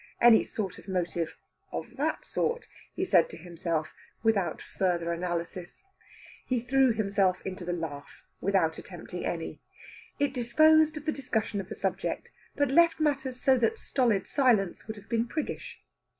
Any sort of motive "of that sort" said he to himself, without further analysis. He threw himself into the laugh, without attempting any. It disposed of the discussion of the subject, but left matters so that stolid silence would have been priggish.